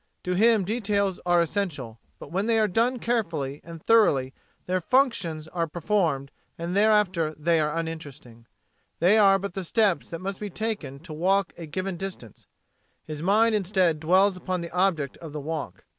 To him details are essential, but when they are done carefully and thoroughly their functions are performed and thereafter they are uninteresting. They are but the steps that must be taken to walk a given distance. His mind instead dwells upon the object of the walk.